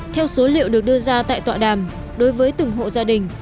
theo số liệu được đưa ra tại tọa đàm đối với từng hộ gia đình